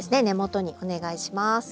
根元にお願いします。